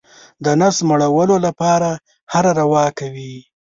د نس مړولو لپاره هره روا کوي.